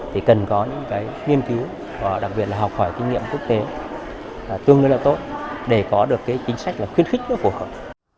thì cần có những cái nghiên cứu và đặc biệt là học hỏi kinh nghiệm quốc tế tương đối là tốt để có được cái chính sách là khuyến khích nó phù hợp